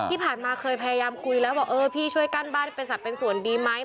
ที่ผ่านมาเคยพยายามคุยแล้วบอกเออพี่ช่วยกั้นบ้านให้เป็นสัตว์เป็นส่วนดีไหม